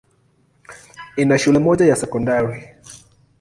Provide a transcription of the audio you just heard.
Ina shule moja ya sekondari.